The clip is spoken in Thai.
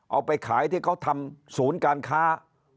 เอาไปขายที่เขาทำศูนย์การค้า